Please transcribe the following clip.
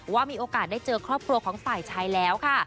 ว่ามีโอกาสได้เจอครอบครัวของฝ่ายชายแล้วค่ะ